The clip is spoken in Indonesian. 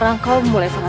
aku harus menolongnya